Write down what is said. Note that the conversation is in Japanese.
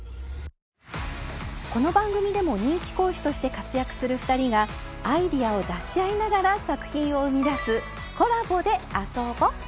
この番組でも人気講師として活躍する２人がアイデアを出し合いながら作品を生み出す「コラボで遊ぼ！」。